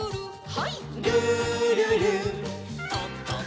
はい。